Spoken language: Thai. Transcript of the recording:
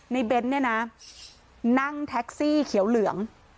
เบ้นเนี่ยนะนั่งแท็กซี่เขียวเหลือง